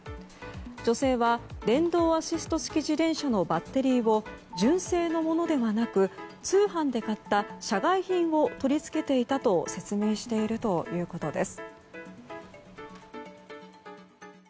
女性は電動アシスト付き自転車のバッテリーを純正のものではなく通販で買った社外品を取り付けていたと説明しているということです。